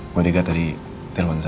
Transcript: wadikah tadi telpon saya